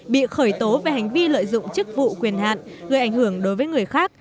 bị khởi tố về hành vi lợi dụng chức vụ quyền hạn người ảnh hưởng đối với người khác